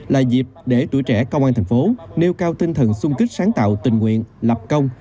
là dịp để tuổi trẻ công an thành phố nêu cao tinh thần sung kích sáng tạo tình nguyện lập công